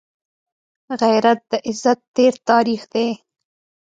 غیرت د عزت تېر تاریخ دی